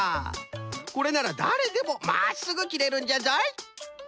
これならだれでもまっすぐ切れるんじゃぞい。